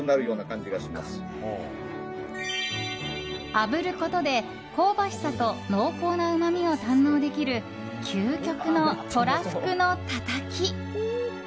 あぶることで香ばしさと濃厚なうまみを堪能できる究極の、とらふくのたたき。